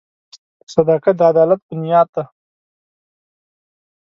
• صداقت د عدالت بنیاد دی.